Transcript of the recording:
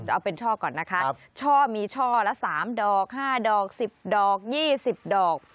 เอาเป็นช่อก่อนนะคะช่อมีช่อละ๓ดอก๕ดอก๑๐ดอก๒๐ดอก